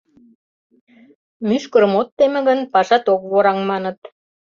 Мӱшкырым от теме гын, пашат ок вораҥ, маныт.